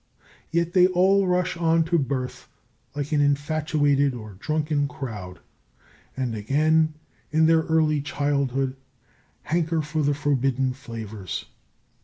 Yet they all rush on to birth like an infatuated or drunken crowd; and again, in their early childhood, hanker after the forbidden flavours.